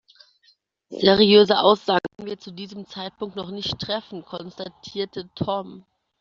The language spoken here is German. Seriöse Aussagen können wir zu diesem Zeitpunkt noch nicht treffen, konstatierte Tom.